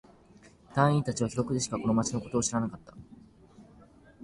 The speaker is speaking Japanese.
隊員達は記録でしかこの町のことを知らなかった。